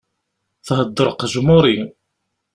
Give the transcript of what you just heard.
Thedder qejmuri!